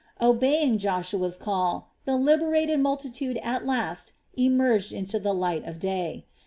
Obeying Joshua's call, the liberated multitude at last emerged into the light of day.